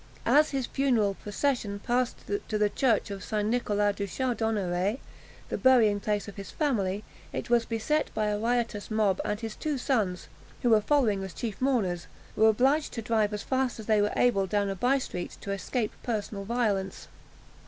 As his funeral procession passed to the church of St. Nicholas du Chardonneret, the burying place of his family, it was beset by a riotous mob, and his two sons, who were following as chief mourners, were obliged to drive as fast as they were able down a by street to escape personal violence.